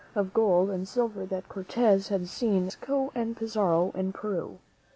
of gold and silver that Cortez had seen in Mexico and Pizarro in Peru.